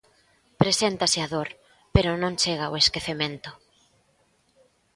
Preséntase a dor, pero non chega o esquecemento.